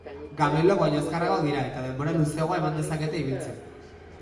Gameluak baino azkarragoak dira eta denbora luzeagoa eman dezakete ibiltzen.